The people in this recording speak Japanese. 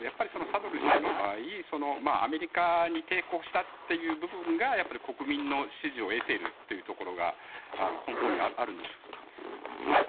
サドル師の場合アメリカに抵抗したという部分が国民の支持を得ているというところが根本にあるんでしょうか。